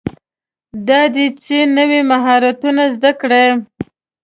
دا دی چې نوي مهارتونه زده کړئ.